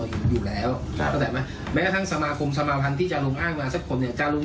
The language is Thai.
คือในความเป็นจริงจารุง